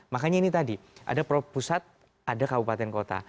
makanya ini tadi ada pusat ada kabupaten kota